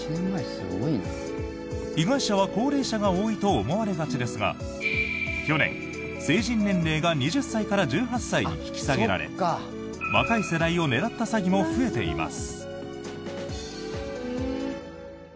被害者は高齢者が多いと思われがちですが去年、成人年齢が２０歳から１８歳に引き下げられ若い世代を狙った詐欺も増えています。